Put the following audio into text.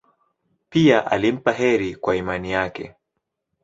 Pia alimpa heri kwa imani yake.